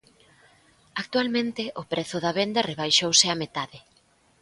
Actualmente o prezo de venda rebaixouse á metade.